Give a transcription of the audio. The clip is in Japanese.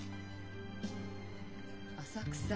浅草。